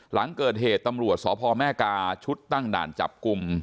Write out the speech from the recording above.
หลังเกิดเหตุตำรวจสพแม่กาชุดตั้งด่านจับกลุ่ม